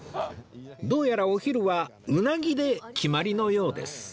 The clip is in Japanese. どうやらお昼は鰻で決まりのようです